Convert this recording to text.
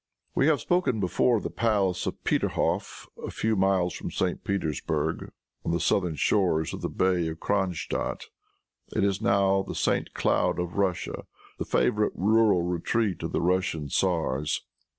We have before spoken of the palace of Peterhoff, a few miles from St. Petersburg, on the southern shores of the bay of Cronstadt. It is now the St. Cloud of Russia, the favorite rural retreat of the Russian tzars.